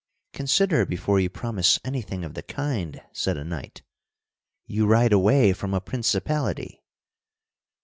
"Consider before you promise anything of the kind!" said a knight. "You ride away from a principality."